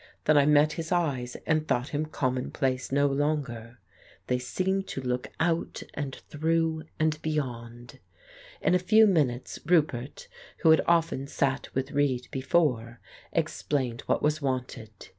Then I met his eyes and thought him commonplace no longer. They seemed to look out and through and beyond. In a few minutes Roupert, who had often sat with Reid before, explained what was wanted.